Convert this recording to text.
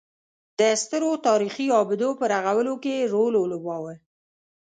د سترو تاریخي ابدو په رغولو کې یې رول ولوباوه.